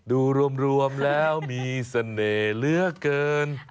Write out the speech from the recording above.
ดูรวมแล้วมีเสน่ห์เหลือเกิน